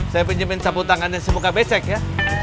saya pinjemin capu tangan si muka becek ya